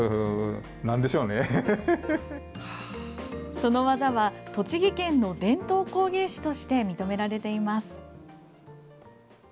その技は栃木県の伝統工芸士として認められています。